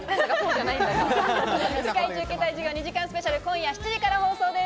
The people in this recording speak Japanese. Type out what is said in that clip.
『世界一受けたい授業』２時間スペシャルは今夜７時から放送です。